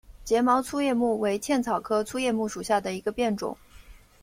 睫毛粗叶木为茜草科粗叶木属下的一个变种。